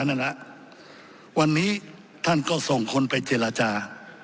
นั่นแหละวันนี้ท่านก็ส่งคนไปเจรจา